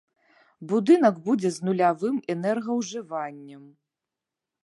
Будынак будзе з нулявым энергаўжываннем.